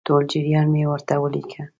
ټول جریان مې ورته ولیکه.